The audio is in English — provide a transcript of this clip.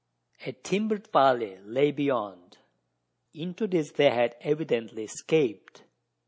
A timbered valley lay beyond: into this they had evidently escaped.